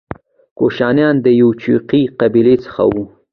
کوشانیان د یوچي قبیلې څخه وو